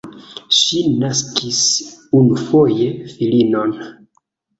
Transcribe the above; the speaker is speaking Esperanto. Ŝi naskis unufoje filinon.